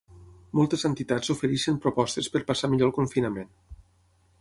Moltes entitats ofereixen propostes per passar millor el confinament.